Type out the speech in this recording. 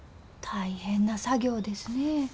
大変な作業ですねえ。